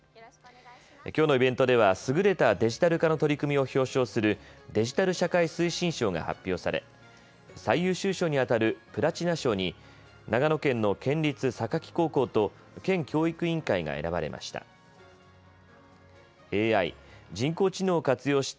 きょうのイベントでは優れたデジタル化の取り組みを表彰するデジタル社会推進賞が発表され最優秀賞にあたるプラチナ賞に長野県の県立坂城高校と県教育委員会が選ばれました。